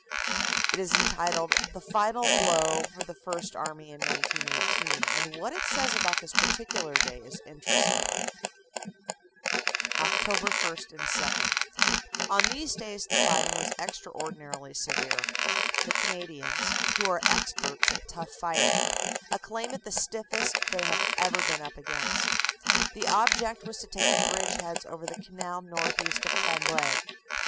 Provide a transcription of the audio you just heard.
It is entitled, "The Final Blow of the First Army in 1918," and what it says about this partic ular day is interesting: OPERATIONS: SEPT. 30 OCT. 2. CONTINUED 267 "Oct. 1 and 2 On these days the fighting was extraordinar ily severe. The Canadians, who are experts at tough fighting, acclaim it the stiffest they have ever been up against. The object was to take the bridgeheads over the canal northeast of Cambrai.